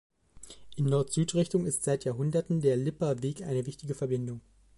In Nord-Süd Richtung ist seit Jahrhunderten der "Lipper Weg" eine wichtige Verbindung.